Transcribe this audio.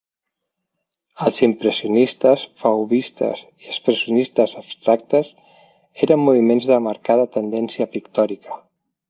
Els impressionistes, fauvistes i expressionistes abstractes eren moviments de marcada tendència pictòrica.